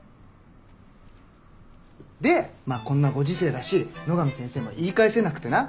でまっこんなご時世だし野上先生も言い返せなくてな。